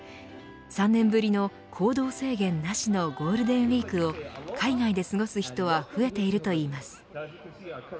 ３年ぶりの行動制限なしのゴールデンウイークを海外で過ごす人は増えているといいます。